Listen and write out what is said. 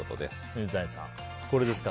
水谷さん、これですか。